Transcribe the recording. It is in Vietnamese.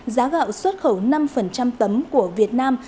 giá gạo xuất khẩu năm tấm của việt nam